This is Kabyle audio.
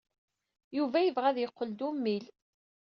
Yuba yebɣa ad yeqqel d ummil.